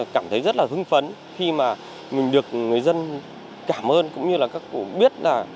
cảm thấy rất là hưng phấn khi mà mình được người dân cảm ơn cũng như là các cụ biết là